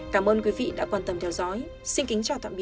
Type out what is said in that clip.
cảm ơn quý vị đã quan tâm theo dõi xin kính chào tạm biệt và hẹn gặp lại